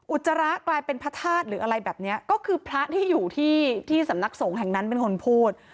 จระกลายเป็นพระธาตุหรืออะไรแบบเนี้ยก็คือพระที่อยู่ที่สำนักสงฆ์แห่งนั้นเป็นคนพูด